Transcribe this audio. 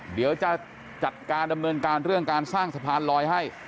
เดี๋ยวจะจัดการดำเนินการเรื่องการสร้างสะพานลอยให้